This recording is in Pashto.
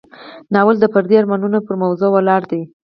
ناول د فردي ارمانونو پر موضوع ولاړ دی.